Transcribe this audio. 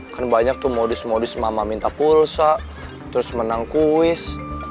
kan banyak tuh modus modus mama minta pulsa terus menang kuis